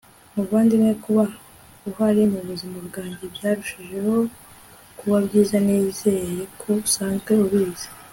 muvandimwe, kuba uhari mubuzima bwanjye byarushijeho kuba byiza. nizere ko usanzwe ubizi